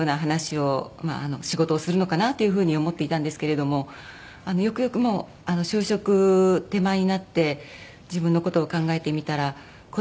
仕事をするのかなという風に思っていたんですけれどもよくよくもう就職手前になって自分の事を考えてみたら子どもの事が好きだと。